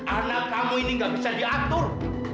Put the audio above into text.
anak kamu ini gak bisa diatur